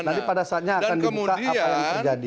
nanti pada saatnya akan dibuka apa yang terjadi